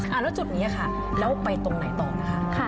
แล้วจุดนี้ค่ะแล้วไปตรงไหนต่อนะคะ